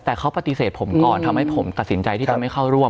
แต่เขาปฏิเสธผมก่อนทำให้ผมตัดสินใจที่จะไม่เข้าร่วม